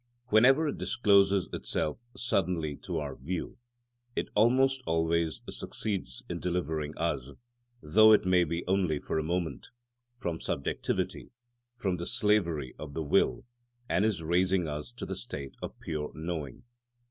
Whenever it discloses itself suddenly to our view, it almost always succeeds in delivering us, though it may be only for a moment, from subjectivity, from the slavery of the will, and in raising us to the state of pure knowing.